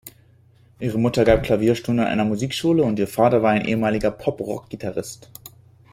Ihre Mutter gab Klavierstunden an einer Musikschule und ihr Vater war ein ehemaliger Pop-Rock-Gitarrist.